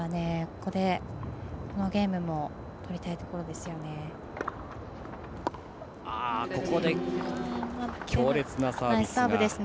ここでこのゲームも取りたいところですよね。